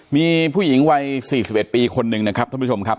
มีผู้หญิงวัย๔๑ปีคนหนึ่งนะครับท่านผู้ชมครับ